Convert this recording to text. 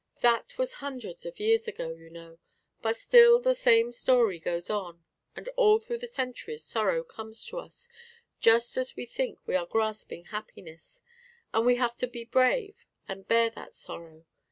That was hundreds of years ago, you know, but still the same story goes on, and all through the centuries sorrow comes to us, just as we think we are grasping happiness, and we have to be brave and bear that sorrow.